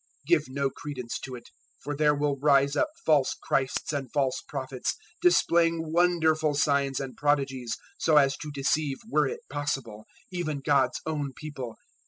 give no credence to it. 024:024 For there will rise up false Christs and false prophets, displaying wonderful signs and prodigies, so as to deceive, were it possible, even God's own People.